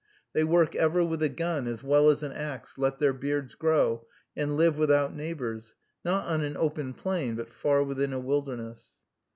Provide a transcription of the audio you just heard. They work ever with a gun as well as an axe, let their beards grow, and live without neighbors, not on an open plain, but far within a wilderness.